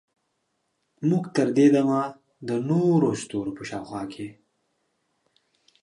موږ تر دې دمه د نورو ستورو په شاوخوا کې